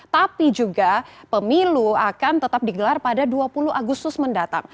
tapi juga pemilu akan tetap digelar pada dua puluh agustus mendatang